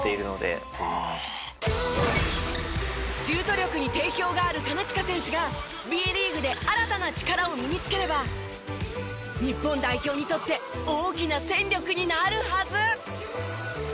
シュート力に定評がある金近選手がＢリーグで新たな力を身につければ日本代表にとって大きな戦力になるはず。